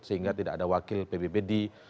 sehingga tidak ada wakil pbb di